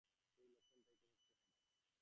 সেই লক্ষণটাই তো সব চেয়ে খারাপ।